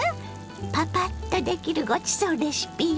パパッとできるごちそうレシピよ。